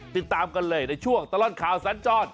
ติดตามกันเลยในช่วงตลอดข่าวสัญจร